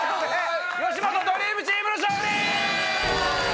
吉本ドリームチームの勝利！